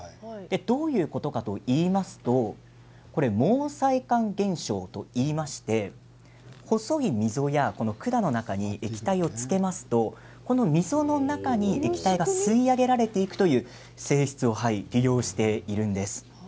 どういうことかといいますと毛細管現象といいまして細い溝や管の中に液体をつけますとこの溝の中に液体が吸い上げられていくという性質を利用しているんです。